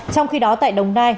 trong khi đó tại đồng nai